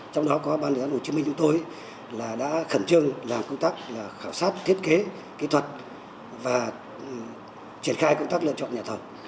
trong đó có ban dự án hồ chí minh chúng tôi đã khẩn trương làm công tác khảo sát thiết kế kỹ thuật và triển khai công tác lựa chọn nhà thầu